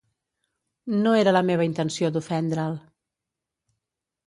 No era la meva intenció d'ofendre'l.